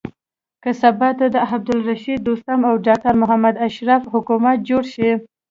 که سبا ته د عبدالرشيد دوستم او ډاکټر محمد اشرف حکومت جوړ شي.